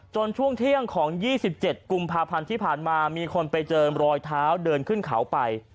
ช่วงเที่ยงของ๒๗กุมภาพันธ์ที่ผ่านมามีคนไปเจอรอยเท้าเดินขึ้นเขาไป